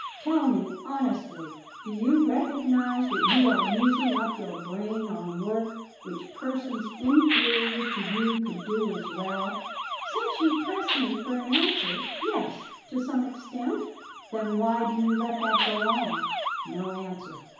Tell me honestly, do you recognize that you are using up your brain on work which persons inferior to you could do as well?" "Since you press me for an answer yes, to some extent." "Then why do you let that go on?" No answer.